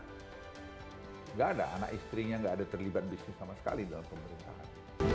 tidak ada anak istrinya nggak ada terlibat bisnis sama sekali dalam pemerintahan